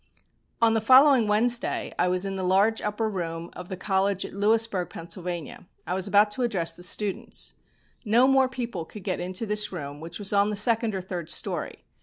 On the following Wednesday I was in the large upper room of the college at Lewisburg, Pa.; I was about to address the students. No more people could get into this room, which was on the second or third storey.